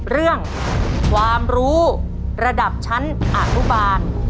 เรื่องความรู้ระดับชั้นอนุบาล